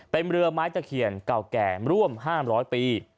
เป็นเรือไม้ตะเขียนเก่าแก่ร่วม๕๐๐ปี